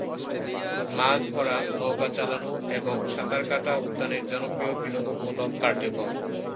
মাছ ধরা, নৌকা চালানো এবং সাঁতার কাটা উদ্যানের জনপ্রিয় বিনোদনমূলক কার্যক্রম।